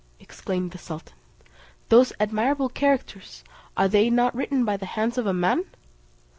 exclaimed the sultan. "Those admirable characters, are they not written by the hands of a man?"